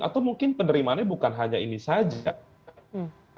atau mungkin penerimaannya bukan hanya ini saja